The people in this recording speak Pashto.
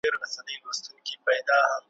لکه سلګۍ درته راغلی یم پایل نه یمه `